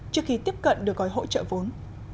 trước khi tiếp cận được gói hỗ trợ vốn